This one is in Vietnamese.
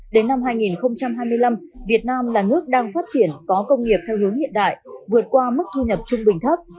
đến năm hai nghìn hai mươi năm việt nam là nước đang phát triển có công nghiệp theo hướng hiện đại vượt qua mức thu nhập trung bình thấp